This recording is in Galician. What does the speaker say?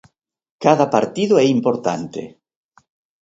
Cada partido é importante.